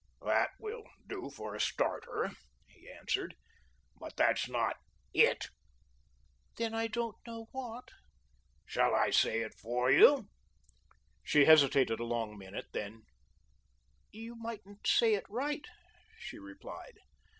"That will do for a starter," he answered. "But that's not IT." "Then, I don't know what." "Shall I say it for you?" She hesitated a long minute, then: "You mightn't say it right," she replied.